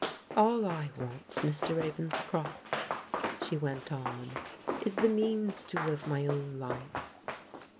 "All I want, Mr. Ravenscroft," she went on, " is the neans to live my own life."